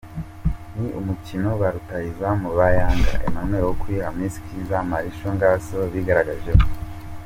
Ni umukino ba rutahizamu ba Yanga, Emmanuel Okwi, Hamis Kizza na Mrisho Ngasa bigaragajemo.